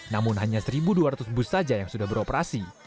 namun hanya satu dua ratus bus saja yang sudah beroperasi